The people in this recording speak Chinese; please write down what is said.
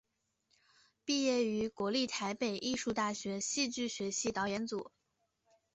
毕业于国立台北艺术大学戏剧学系导演组。